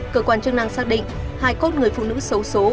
cơ quan chương năng xác định hài cốt người phụ nữ xấu xố